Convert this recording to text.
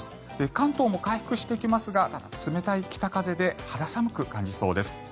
関東も回復してきますが冷たい北風で肌寒く感じそうです。